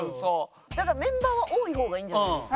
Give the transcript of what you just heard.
だからメンバーは多い方がいいんじゃないですか？